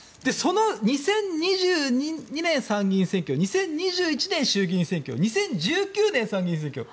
２０２２年に参議院選挙２０２１年、衆議院選挙２０１９年、参議院選挙。